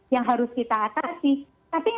yang harus kita atasi tapi